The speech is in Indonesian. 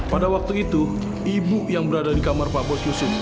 pada waktu itu ibu yang berada di kamar pak bos yusuf